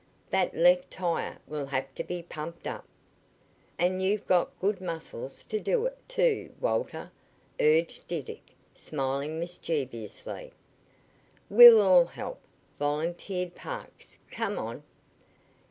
That left tire will have to be pumped up." "And you've got good muscles to do it, too, Walter," urged Diddick, smiling mischievously. "We'll all help," volunteered Parks. "Come on!"